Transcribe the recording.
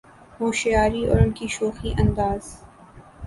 ہوشیاری اور ان کی شوخی انداز